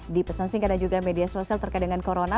di pesan singkat dan juga media sosial terkait dengan corona